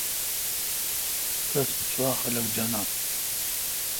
تس سوا خلق جاناں